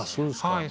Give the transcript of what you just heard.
はい。